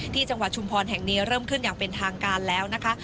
จังหวัดชุมพรแห่งนี้เริ่มขึ้นอย่างเป็นทางการแล้วนะคะ